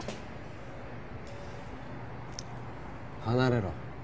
離れろ。